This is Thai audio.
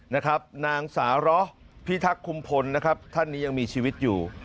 นางสาร้อพิทักขุมพลท่านนี้ยังมีชีวิตอยู่